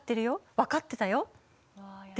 分かっていたよって